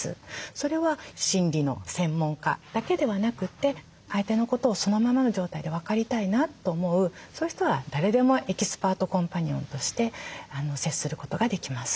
それは心理の専門家だけではなくて相手のことをそのままの状態で分かりたいなと思うそういう人は誰でもエキスパートコンパニオンとして接することができます。